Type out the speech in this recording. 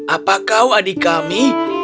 apa kau adik kami